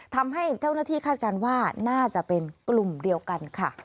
ทำให้เจ้าหน้าที่คาดการณ์ว่าน่าจะเป็นกลุ่มเดียวกันค่ะ